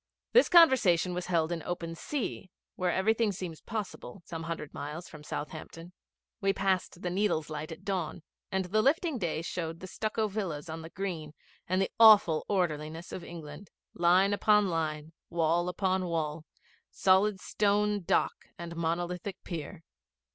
This conversation was held in open sea, where everything seems possible, some hundred miles from Southampton. We passed the Needles Light at dawn, and the lifting day showed the stucco villas on the green and the awful orderliness of England line upon line, wall upon wall, solid stone dock and monolithic pier.